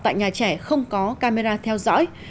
tại nhà trẻ không có camera theo dõi